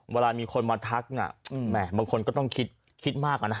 เวลามีคนมาทักน่ะบางคนก็ต้องคิดมากอะนะ